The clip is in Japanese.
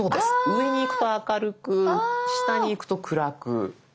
上にいくと明るく下にいくと暗く。